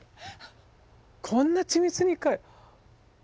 こんな緻密に描い。